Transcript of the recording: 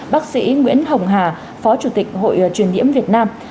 bác sĩ nguyễn hồng hà phó chủ tịch hội truyền nhiễm việt nam